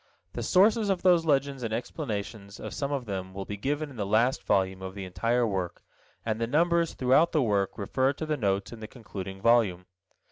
The sources of those legends and explanations of some of them will be given in the last volume of the entire work, and the numbers throughout the work refer to the notes in the concluding volume.